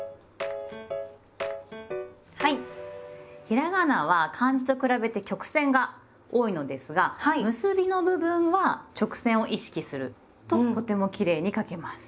ひらがなは漢字と比べて曲線が多いのですが結びの部分は直線を意識するととてもきれいに書けます。